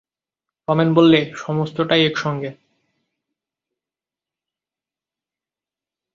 রমেন বললে, সমস্তটাই একসঙ্গে।